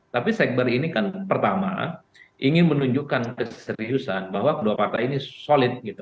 tapi sekber ini kan pertama ingin menunjukkan keseriusan bahwa kedua partai ini solid gitu